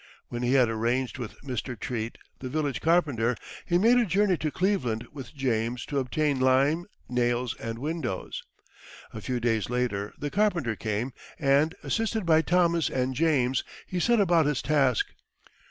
When he had arranged with Mr. Treat, the village carpenter, he made a journey to Cleveland with James to obtain lime, nails, and windows. A few days after, the carpenter came, and, assisted by Thomas and James, he set about his task.